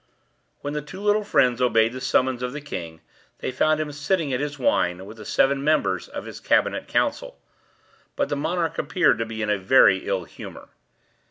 When the two little friends obeyed the summons of the king they found him sitting at his wine with the seven members of his cabinet council; but the monarch appeared to be in a very ill humor.